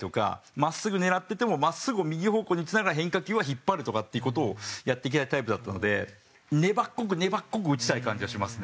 真っすぐ狙ってても真っすぐを右方向に打ちながら変化球は引っ張るとかっていう事をやっていきたいタイプだったので粘っこく粘っこく打ちたい感じはしますね。